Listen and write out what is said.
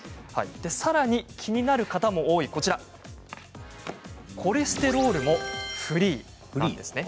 さらに気になる方も多いコレステロールもフリーです。